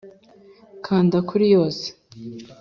kanda kuri yose